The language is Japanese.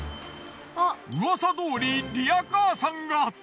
うわさどおりリヤカーさんが！